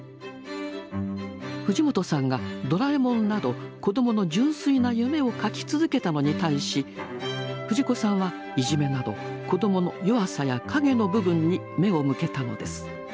藤本さんが「ドラえもん」など子どもの純粋な夢を描き続けたのに対し藤子さんはいじめなど子どもの弱さや陰の部分に目を向けたのです。